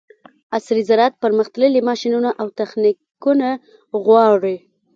عصري زراعت پرمختللي ماشینونه او تخنیکونه غواړي.